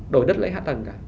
đổi đất lấy hạ tầng cả